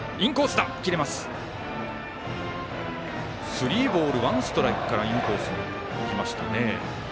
スリーボールワンストライクからインコースにきましたね。